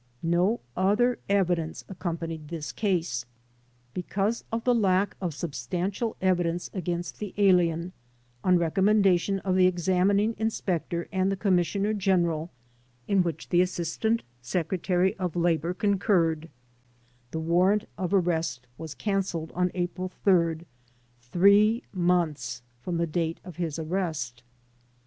No other evidence accompanied this case. Because of the lack of substantial evidence against the alien, on HOW THE ALIENS WERE TRIED 43 recommendation of the examining inspector and the Commissioner General, in which the Assistant Secretary of Labor concurred, the warrant of arrest was cancelled on April 3rd, three months from the date of his arrest.